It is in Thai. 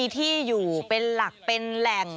ที่อยู่เป็นหลักเป็นแหล่ง